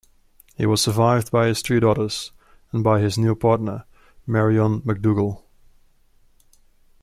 He was survived by his three daughters, and by his new partner Marion McDougall.